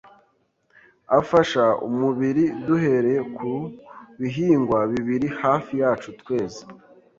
afasha umubiri duhereye ku bihingwa biri hafi yacu tweza